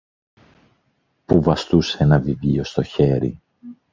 που βαστούσε ένα βιβλίο στο χέρι.